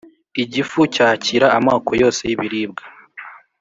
Igifu cyakira amoko yose y’ibiribwa,